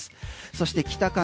そして北関